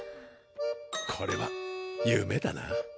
これは夢だな。